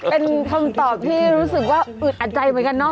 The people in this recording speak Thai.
เป็นคำตอบที่รู้สึกว่าอึดอัดใจเหมือนกันเนาะ